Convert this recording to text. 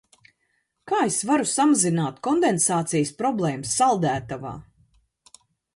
Kā es varu samazināt kondensācijas problēmas saldētavā?